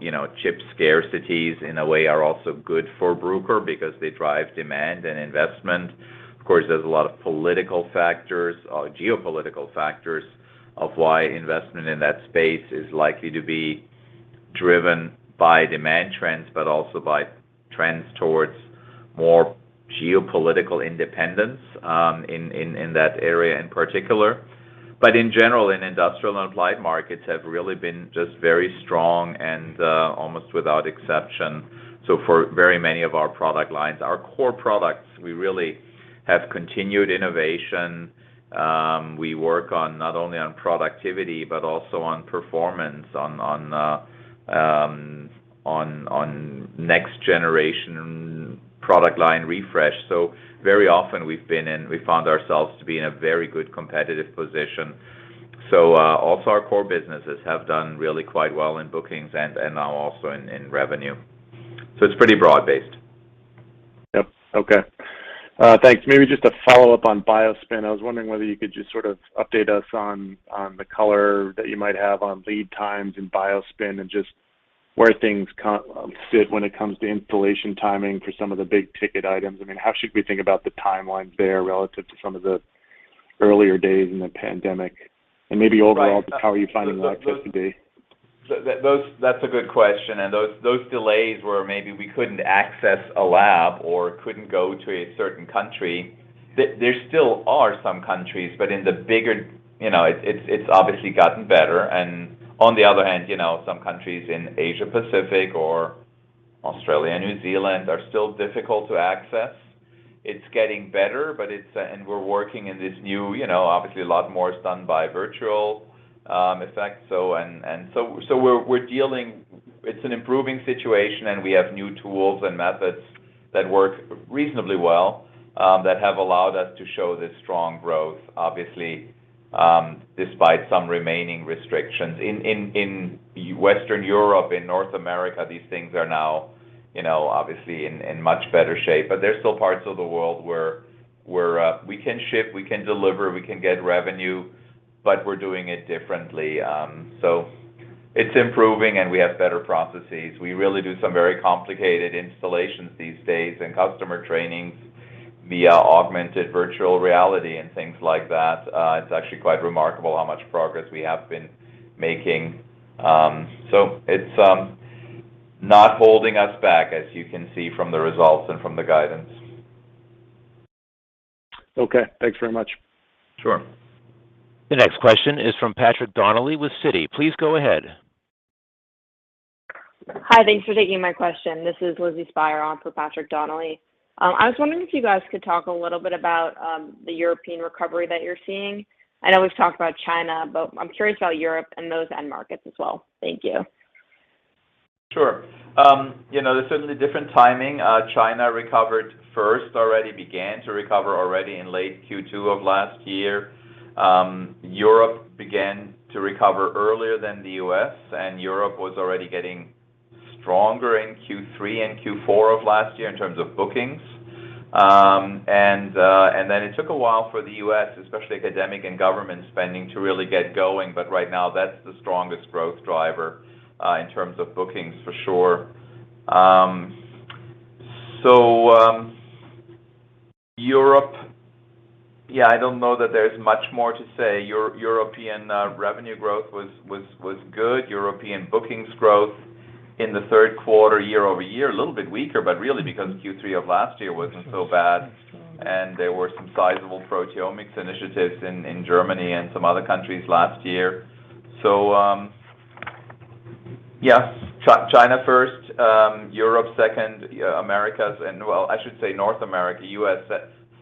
You know, chip scarcities in a way are also good for Bruker because they drive demand and investment. Of course, there's a lot of political factors or geopolitical factors of why investment in that space is likely to be driven by demand trends, but also by trends towards more geopolitical independence in that area in particular. In general, industrial and applied markets have really been just very strong and almost without exception. For very many of our product lines, our core products, we really have continued innovation. We work on not only productivity, but also on performance on next generation product line refresh. Very often we found ourselves to be in a very good competitive position. Also our core businesses have done really quite well in bookings and now also in revenue. It's pretty broad-based. Yep. Okay. Thanks. Maybe just a follow-up on BioSpin. I was wondering whether you could just sort of update us on the color that you might have on lead times in BioSpin and just where things sit when it comes to installation timing for some of the big-ticket items. I mean, how should we think about the timelines there relative to some of the earlier days in the pandemic? Maybe overall, how are you finding the access to be? That's a good question. Those delays where maybe we couldn't access a lab or couldn't go to a certain country, there still are some countries, but in the bigger. You know, it's obviously gotten better. On the other hand, you know, some countries in Asia-Pacific or Australia, New Zealand are still difficult to access. It's getting better, but it's and we're working in this new, you know, obviously a lot more is done by virtual effect. We're dealing. It's an improving situation, and we have new tools and methods that work reasonably well that have allowed us to show this strong growth, obviously, despite some remaining restrictions. In Western Europe, in North America, these things are now, you know, obviously in much better shape. There's still parts of the world where we can ship, we can deliver, we can get revenue, but we're doing it differently. It's improving, and we have better processes. We really do some very complicated installations these days and customer trainings via augmented virtual reality and things like that. It's actually quite remarkable how much progress we have been making. It's not holding us back, as you can see from the results and from the guidance. Okay, thanks very much. Sure. The next question is from Patrick Donnelly with Citi. Please go ahead. Hi, thanks for taking my question. This is [inaudible] on for Patrick Donnelly. I was wondering if you guys could talk a little bit about, the European recovery that you're seeing. I know we've talked about China, but I'm curious about Europe and those end markets as well. Thank you. Sure. You know, there's certainly different timing. China recovered first, began to recover in late Q2 of last year. Europe began to recover earlier than the U.S., and Europe was already getting stronger in Q3 and Q4 of last year in terms of bookings. Then it took a while for the U.S., especially academic and government spending, to really get going. Right now, that's the strongest growth driver in terms of bookings, for sure. Europe, yeah, I don't know that there's much more to say. European revenue growth was good. European bookings growth in the Q3, year-over-year, a little bit weaker, but really because Q3 of last year wasn't so bad, and there were some sizable proteomics initiatives in Germany and some other countries last year. Yes, China first, Europe second, Americas and, well, I should say North America, U.S.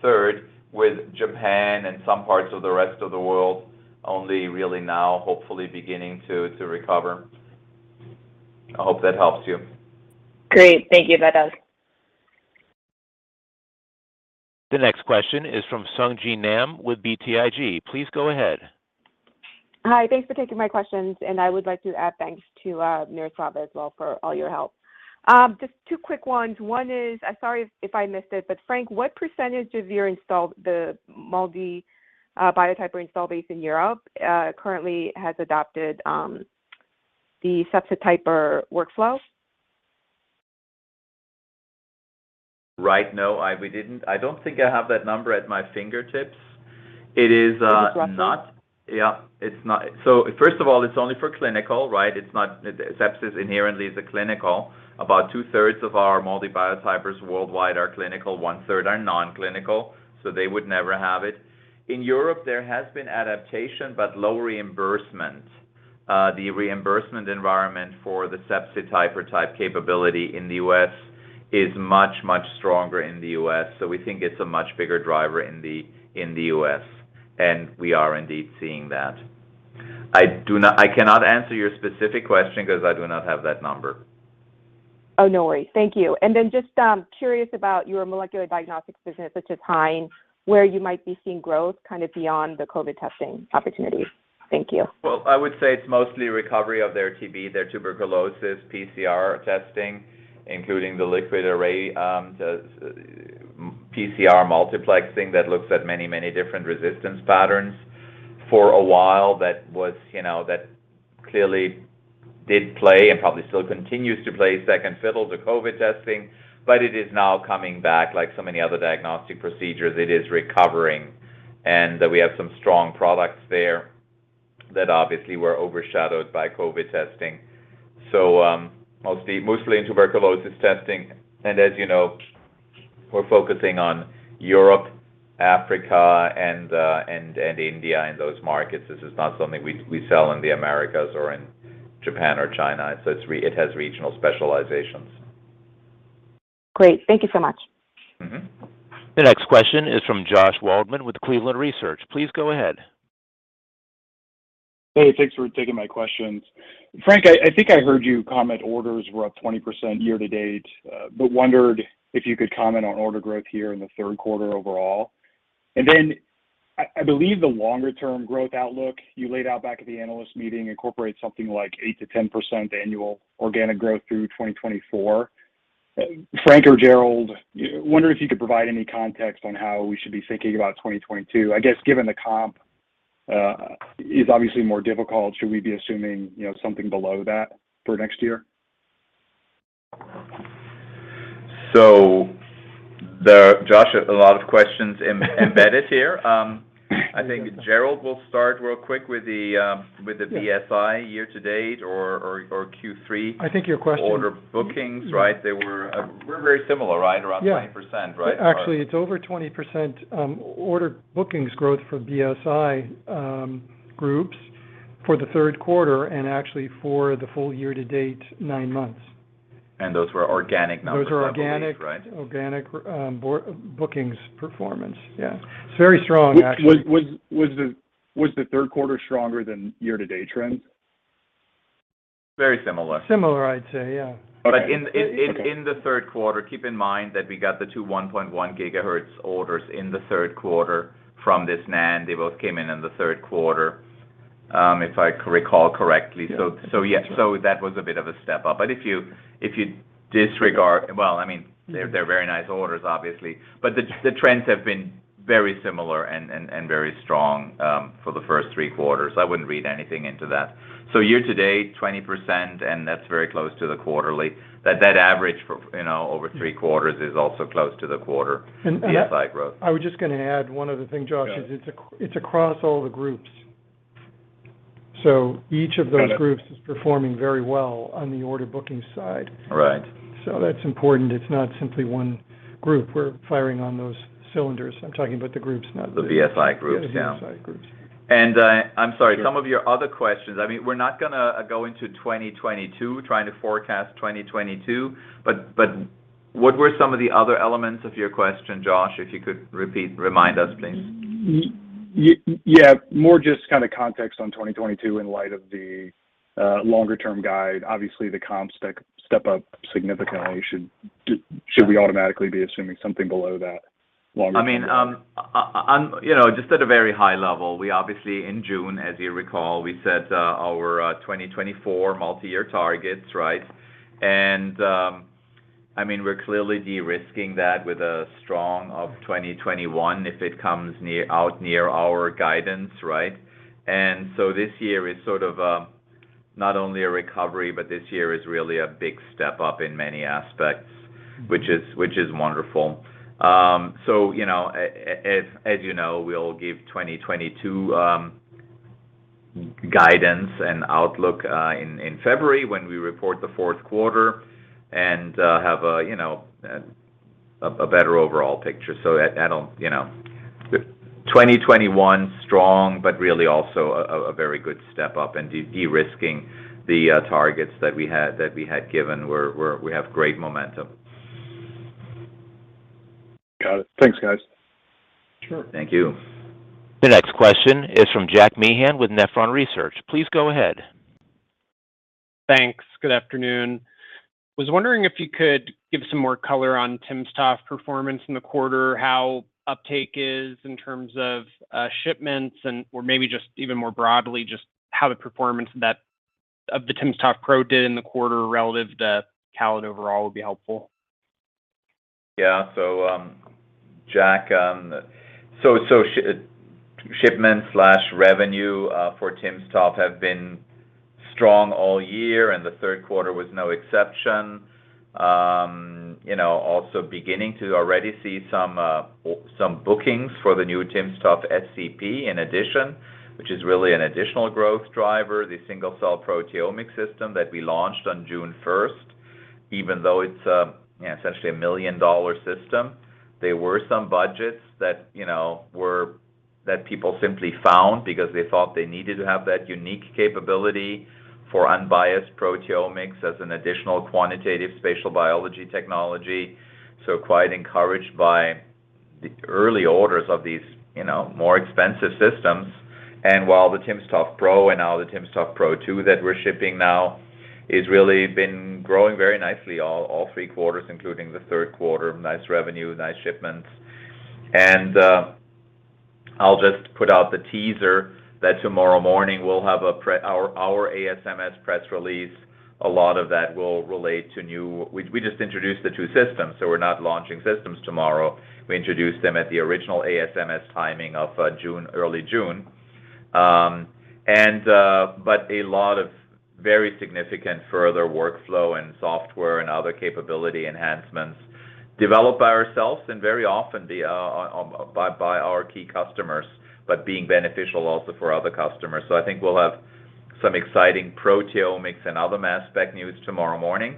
third, with Japan and some parts of the rest of the world only really now, hopefully, beginning to recover. I hope that helps you. Great. Thank you. That does. The next question is from Sung Ji Nam with BTIG. Please go ahead. Hi. Thanks for taking my questions, and I would like to add thanks to Miroslava as well for all your help. Just two quick ones. One is, I'm sorry if I missed it, but Frank, what percentage of your installed base of the MALDI Biotyper in Europe currently has adopted the Sepsityper workflow? Right. No, we didn't. I don't think I have that number at my fingertips. It is, First of all, it's only for clinical, right? It's not. Sepsis inherently is a clinical. About 2/3 of our MALDI Biotypers worldwide are clinical. 1/3 are non-clinical, so they would never have it. In Europe, there has been adaptation, but low reimbursement. The reimbursement environment for the Sepsityper type capability in the U.S. is much, much stronger in the U.S., so we think it's a much bigger driver in the U.S., and we are indeed seeing that. I cannot answer your specific question because I do not have that number. Oh, no worries. Thank you. Just curious about your molecular diagnostics business at Hain, where you might be seeing growth kind of beyond the COVID testing opportunities. Thank you. Well, I would say it's mostly recovery of their TB, their tuberculosis PCR testing, including the liquid array, the PCR multiplexing that looks at many, many different resistance patterns. For a while, that was, you know, that clearly did play, and probably still continues to play second fiddle to COVID testing, but it is now coming back. Like so many other diagnostic procedures, it is recovering, and we have some strong products there that obviously were overshadowed by COVID testing. Mostly in tuberculosis testing. As you know, we're focusing on Europe, Africa, and India, and those markets. This is not something we sell in the Americas or in Japan or China. It has regional specializations. Great. Thank you so much. Mm-hmm. The next question is from Josh Waldman with Cleveland Research. Please go ahead. Hey, thanks for taking my questions. Frank, I think I heard you comment orders were up 20% year-to-date, but wondered if you could comment on order growth here in the Q3 overall. Then I believe the longer term growth outlook you laid out back at the analyst meeting incorporates something like 8%-10% annual organic growth through 2024. Frank or Gerald, wonder if you could provide any context on how we should be thinking about 2022. I guess given the comp is obviously more difficult, should we be assuming, you know, something below that for next year? Josh, a lot of questions embedded here. I think Gerald will start real quick with the BSI year to date or Q3. I think your question. Order bookings, right? They were very similar, right? Yeah. Around 20%, right? Actually, it's over 20%, order bookings growth for BSI groups for the Q3 and actually for the full year to date, nine months. Those were organic, not. Those are organic. right? Organic bookings performance. Yeah. It's very strong actually. Was the Q3 stronger than year-to-date trends? Very similar. Similar I'd say, yeah. In the Q3, keep in mind that we got the two 1.1 GHz orders in the Q3 from this NAN. They both came in the Q3, if I recall correctly. Yes. Yeah. That was a bit of a step up. But if you disregard. Well, I mean, they're very nice orders obviously. But the trends have been very similar and very strong for the first three quarters. I wouldn't read anything into that. Year to date, 20%, and that's very close to the quarterly. That average for, you know, over three quarters is also close to the quarterly BSI growth. I was just going to add one other thing, Josh. Yeah. It's across all the groups. Each of those groups is performing very well on the order bookings side. Right. That's important. It's not simply one group. We're firing on those cylinders. I'm talking about the groups now. The BSI groups, yeah. The BSI groups. I'm sorry, some of your other questions. I mean, we're not going to go into 2022, trying to forecast 2022, but what were some of the other elements of your question, Josh? If you could repeat, remind us, please. Yeah. More just kind of context on 2022 in light of the longer-term guide. Obviously, the comps step up significantly. Should we automatically be assuming something below that longer term? I mean, you know, just at a very high level, we obviously, in June, as you recall, we set our 2024 multi-year targets, right? I mean, we're clearly de-risking that with a strong 2021 if it comes out near our guidance, right? This year is sort of not only a recovery, but this year is really a big step up in many aspects, which is wonderful. You know, as you know, we'll give 2022 guidance and outlook in February when we report the Q4 and have a better overall picture. At a you know, 2021 strong, but really also a very good step up and de-risking the targets that we had given. We have great momentum. Got it. Thanks, guys. Sure. Thank you. The next question is from Jack Meehan with Nephron Research. Please go ahead. Thanks. Good afternoon. Was wondering if you could give some more color on timsTOF performance in the quarter, how uptake is in terms of shipments and/or maybe just even more broadly, just how the performance of the timsTOF Pro did in the quarter relative to portfolio overall would be helpful. Jack, shipments/revenue for timsTOF have been strong all year, and the Q3 was no exception. You know, also beginning to already see some bookings for the new timsTOF SCP in addition, which is really an additional growth driver, the single-cell proteomics system that we launched on June 1st. Even though it's essentially a million-dollar system, there were some budgets that you know that people simply found because they thought they needed to have that unique capability for unbiased proteomics as an additional quantitative spatial biology technology. Quite encouraged by the early orders of these, you know, more expensive systems. While the timsTOF Pro and now the timsTOF Pro 2 that we're shipping now is really been growing very nicely all three quarters, including the Q3. Nice revenue, nice shipments. I'll just put out the teaser that tomorrow morning we'll have our ASMS press release. A lot of that will relate to. We just introduced the two systems, so we're not launching systems tomorrow. We introduced them at the original ASMS timing of June, early June. A lot of very significant further workflow and software and other capability enhancements developed by ourselves and very often by our key customers, but being beneficial also for other customers. I think we'll have some exciting proteomics and other mass spec news tomorrow morning.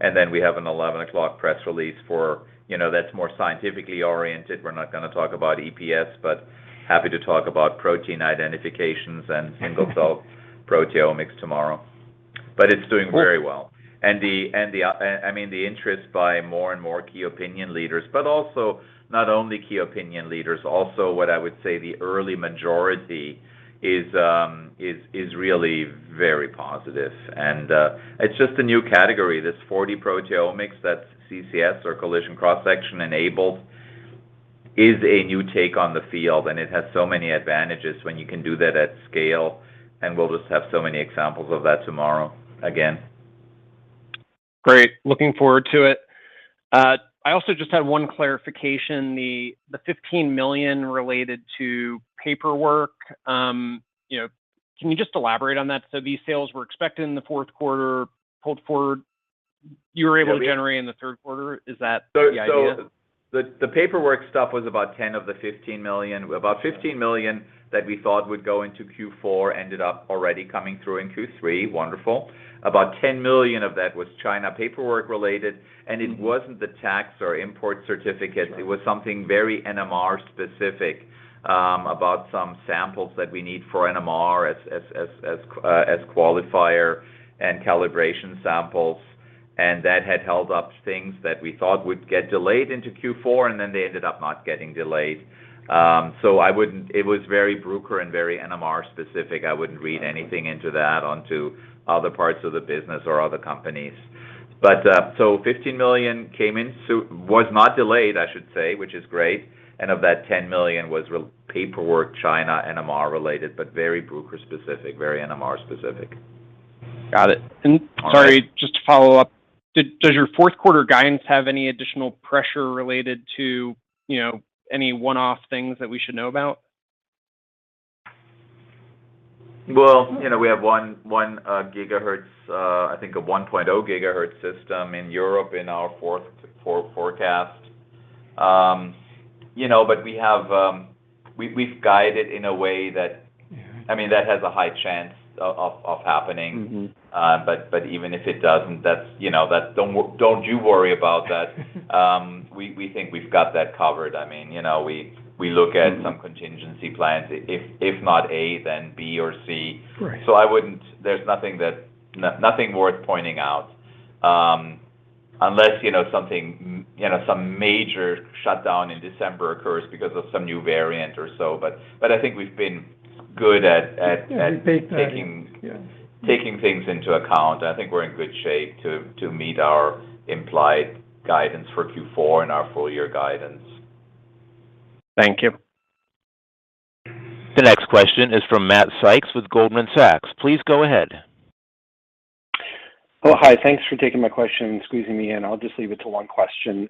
Then we have an 11:00AM press release for, you know, that's more scientifically oriented. We're not going to talk about EPS, but happy to talk about protein identifications and single cell proteomics tomorrow. It's doing very well. I mean, the interest by more and more key opinion leaders, but also not only key opinion leaders, also what I would say the early majority is really very positive. It's just a new category. This 4D-Proteomics, that's CCS or collision cross-section enabled, is a new take on the field, and it has so many advantages when you can do that at scale. We'll just have so many examples of that tomorrow again. Great. Looking forward to it. I also just had one clarification. The $15 million related to paperwork, you know, can you just elaborate on that? These sales were expected in the Q4, pulled forward, you were able to generate in the Q3. Is that the idea? The paperwork stuff was about $10 of the $15 million. About $15 million that we thought would go into Q4 ended up already coming through in Q3. Wonderful. About $10 million of that was China paperwork related, and it wasn't the tax or import certificate. It was something very NMR specific, about some samples that we need for NMR as qualifier and calibration samples. And that had held up things that we thought would get delayed into Q4, and then they ended up not getting delayed. I wouldn't. It was very Bruker and very NMR specific. I wouldn't read anything into that onto other parts of the business or other companies. $15 million came in, so was not delayed, I should say, which is great. Of that $10 million was paperwork, China, NMR related, but very Bruker specific, very NMR specific. Got it. Sorry, just to follow up. Does your Q4 guidance have any additional pressure related to, you know, any one-off things that we should know about? Well, you know, we have 1 GHz, I think a 1.0 GHz system in Europe in our fourth forecast. You know, we've guided in a way that, I mean, that has a high chance of happening. Mm-hmm. Even if it doesn't, that's, you know, don't you worry about that. We think we've got that covered. I mean, you know, we look at Mm-hmm Some contingency plans. If not A, then B or C. Right. There's nothing worth pointing out unless you know something you know some major shutdown in December occurs because of some new variant or so. I think we've been good at Yeah, you've been pretty good, yeah. taking things into account. I think we're in good shape to meet our implied guidance for Q4 and our full year guidance. Thank you. The next question is from Matt Sykes with Goldman Sachs. Please go ahead. Oh, hi. Thanks for taking my question and squeezing me in. I'll just leave it to one question.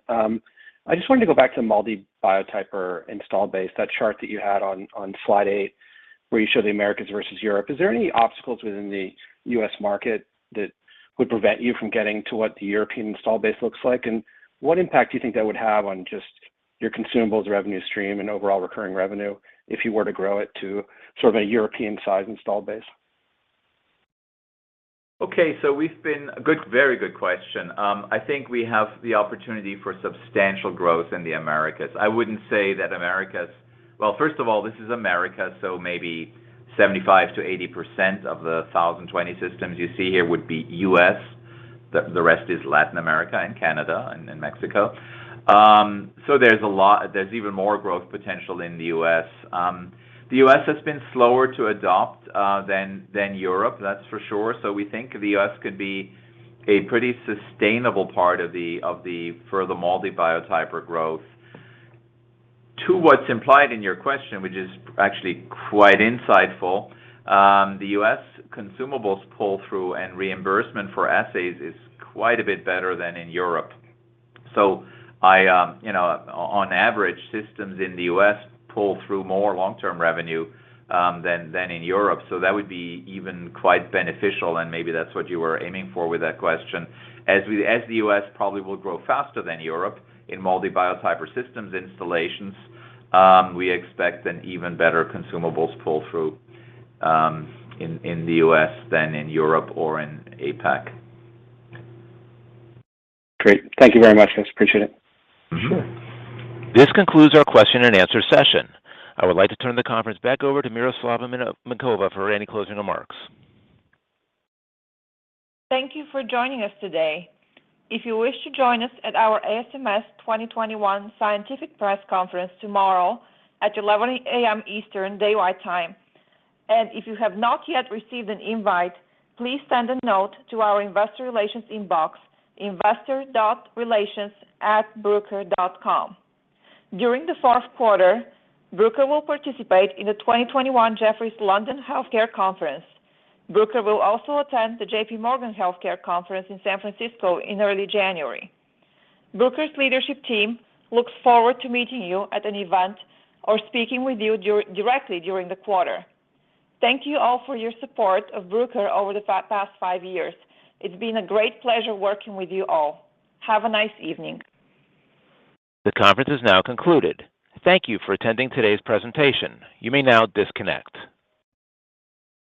I just wanted to go back to MALDI Biotyper installed base, that chart that you had on slide eight, where you show the Americas versus Europe. Is there any obstacles within the U.S. market that would prevent you from getting to what the European installed base looks like? And what impact do you think that would have on just your consumables revenue stream and overall recurring revenue if you were to grow it to sort of a European-size installed base? Good, very good question. I think we have the opportunity for substantial growth in the Americas. I wouldn't say that Americas. Well, first of all, this is America, so maybe 75%-80% of the 1,020 systems you see here would be U.S. The rest is Latin America and Canada and then Mexico. There's a lot, there's even more growth potential in the U.S. The U.S. has been slower to adopt than Europe, that's for sure. We think the U.S. could be a pretty sustainable part of the for the MALDI Biotyper growth. To what's implied in your question, which is actually quite insightful, the U.S. consumables pull-through and reimbursement for assays is quite a bit better than in Europe. I, you know, on average, systems in the U.S. pull through more long-term revenue than in Europe. That would be even quite beneficial, and maybe that's what you were aiming for with that question. As the U.S. probably will grow faster than Europe in MALDI Biotyper systems installations, we expect an even better consumables pull-through in the U.S. than in Europe or in APAC. Great. Thank you very much. I appreciate it. Mm-hmm. This concludes our question and answer session. I would like to turn the conference back over to Miroslava Minkova for any closing remarks. Thank you for joining us today. If you wish to join us at our ASMS 2021 Scientific Press Conference tomorrow at 11:00AM. Eastern Daylight Time, and if you have not yet received an invite, please send a note to our investor relations inbox, investor.relations@bruker.com. During the Q4, Bruker will participate in the 2021 Jefferies Global Healthcare Conference. Bruker will also attend the JPMorgan Healthcare Conference in San Francisco in early January. Bruker's leadership team looks forward to meeting you at an event or speaking with you directly during the quarter. Thank you all for your support of Bruker over the past five years. It's been a great pleasure working with you all. Have a nice evening. The conference is now concluded. Thank you for attending today's presentation. You may now disconnect.